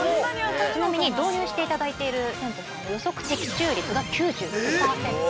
ちなみに、導入していただいている店舗さんの予測的中率が、９５％。